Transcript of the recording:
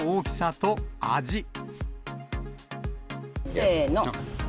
せーの。